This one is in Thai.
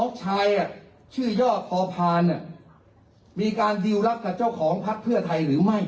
ชื่อย่อพอพานมีการดิวรักกับเจ้าของพักเพื่อไทยหรือไม่